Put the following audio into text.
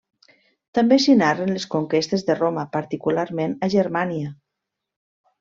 També s'hi narren les conquestes de Roma, particularment a Germània.